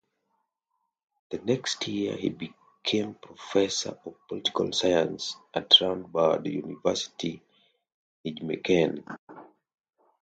The next year he became professor of political science at Radboud University Nijmegen.